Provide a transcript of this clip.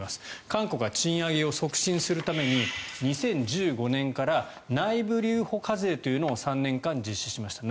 韓国は賃上げを促進するために２０１５年から内部留保課税というのを３年間、実施しました。